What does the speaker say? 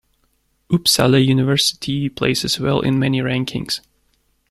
Uppsala University places well in many rankings.